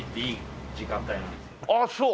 ああそう？